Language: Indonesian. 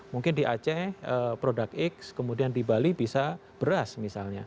mungkin di aceh product x kemudian di bali bisa beras misalnya